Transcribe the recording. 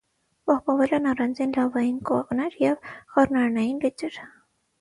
Պահպանվել են առանձին լավային կոներ և խառնարանային լճեր։